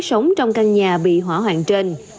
sống trong căn nhà bị hỏa hoạn trên